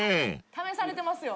試されてますよ